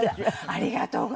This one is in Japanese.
ありがとうございます。